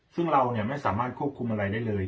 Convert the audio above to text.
ซึ่งเราไม่สามารถควบคุมอะไรได้เลย